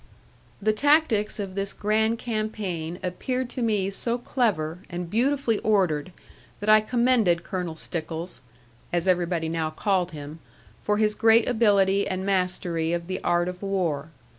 The tactics of this grand campaign appeared to me so clever, and beautifully ordered, that I commended Colonel Stickles, as everybody now called him, for his great ability and mastery of the art of war.